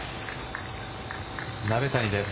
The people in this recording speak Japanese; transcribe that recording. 鍋谷です。